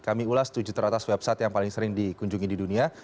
kami ulas tujuh teratas website yang paling sering dikunjungi di dunia